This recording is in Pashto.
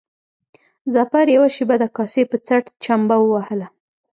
ظفر يوه شېبه د کاسې په څټ چمبه ووهله.